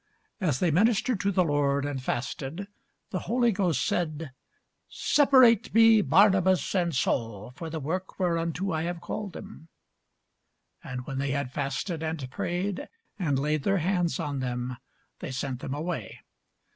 As they ministered to the Lord, and fasted, the Holy Ghost said, Separate me Barnabas and Saul for the work whereunto I have called them. And when they had fasted and prayed, and laid their hands on them, they sent them away.